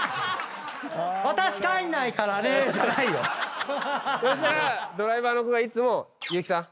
「私帰んないからね」じゃないよ。そしたらドライバーの子がいつも。